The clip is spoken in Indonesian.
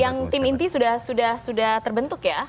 yang tim inti sudah terbentuk ya